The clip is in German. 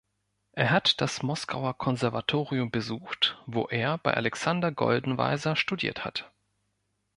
Er hat das Moskauer Konservatorium besucht, wo er bei Alexander Goldenweiser studiert hat.